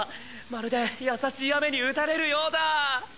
まるで優しい雨に打たれるようだ！